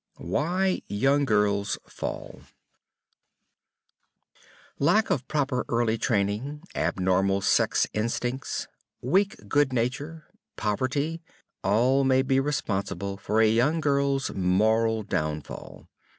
WHY YOUNG GIRLS FALL Lack of proper early training, abnormal sex instincts, weak good nature, poverty, all may be responsible for a young girl's moral downfall.